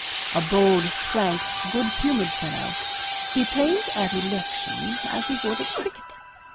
A bold, frank, good humoured fellow he played at elections as he would at cricket.